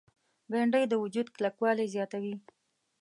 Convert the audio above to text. بېنډۍ د وجود کلکوالی زیاتوي